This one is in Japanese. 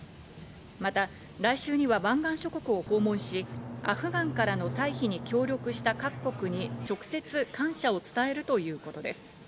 また来週には湾岸諸国を訪問し、アフガンからの退避に協力した各国に直接、感謝を伝えるということです。